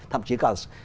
thậm chí còn